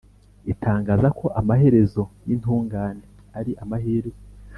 Itangaza ko amaherezo y’intungane ari amahirwe,